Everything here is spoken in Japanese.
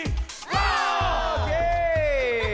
オーケー！